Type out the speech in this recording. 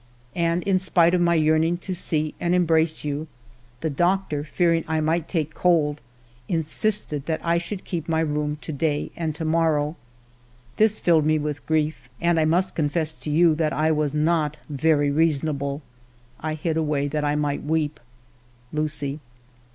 And in spite of my yearning to see and embrace you, the doctor, fearing I might take cold, insisted that I should keep my room to day and to morrow. This filled me with grief, and I must confess to you that I was not very reasonable. I hid away that I might weep. Lucie."